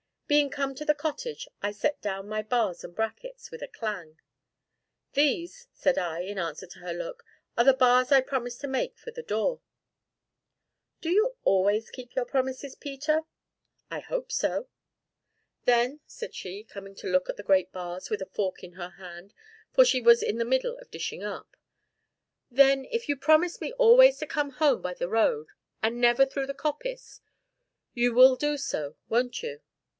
Being come to the cottage, I set down my bars and brackets, with a clang. "These," said I, in answer to her look, "are the bars I promised to make for the door." "Do you always keep your promises, Peter?" "I hope so." "Then," said she, coming to look at the great bars, with a fork in her hand, for she was in the middle of dishing up, "then, if you promise me always to come home by the road, and never through the coppice you will do so, won't you?"